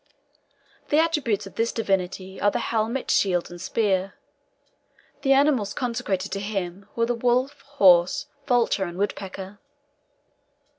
The attributes of this divinity are the helmet, shield, and spear. The animals consecrated to him were the wolf, horse, vulture, and woodpecker.